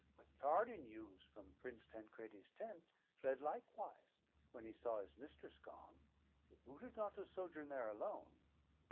With tardy news from Prince Tancredi's tent, Fled likewise, when he saw his mistress gone, It booted not to sojourn there alone.